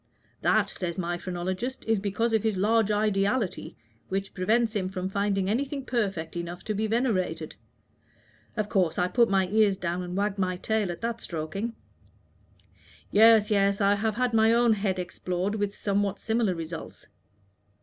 'That,' says my phrenologist, 'is because of his large ideality, which prevents him from finding anything perfect enough to be venerated.' Of course I put my ears down and wagged my tail at that stroking." "Yes, yes; I have had my own head explored with somewhat similar results.